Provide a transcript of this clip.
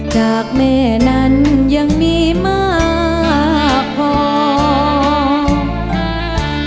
จากแม่นั้นยังมีมากพอ